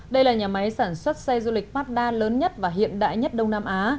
đây là nhà máy sản xuất xe du lịch mazda lớn nhất và hiện đại nhất đông nam á